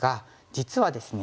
実はですね